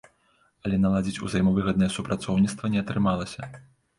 Але наладзіць узаемавыгаднае супрацоўніцтва не атрымалася.